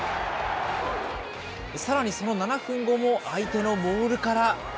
さらにその７分後も、相手のモールから。